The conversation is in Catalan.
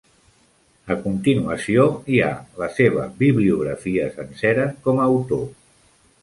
A continuació hi ha la seva bibliografia sencera com a autor.